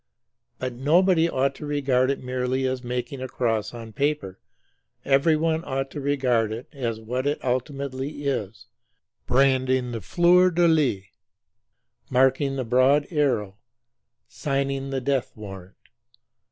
But nobody ought to regard it merely as making a cross on paper; everyone ought to regard it as what it ultimately is, branding the fleur de lis, marking the broad arrow, signing the death warrant.